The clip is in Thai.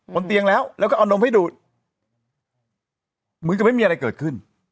บนเตียงแล้วแล้วก็เอานมให้ดูดเหมือนกับไม่มีอะไรเกิดขึ้น